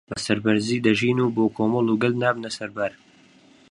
بەسەربەرزی دەژین بۆ کۆمەڵ و گەل نابنە سەربار